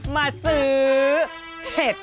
มาซื้อเห็ด